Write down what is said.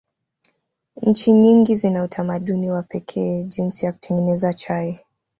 Nchi nyingi zina utamaduni wa pekee jinsi ya kutengeneza chai.